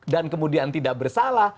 dan kemudian tidak bersalah